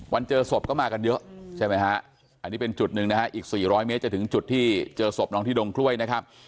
เจอศพก็มากันเยอะใช่ไหมฮะอันนี้เป็นจุดหนึ่งนะฮะอีก๔๐๐เมตรจะถึงจุดที่เจอศพน้องที่ดงกล้วยนะครับ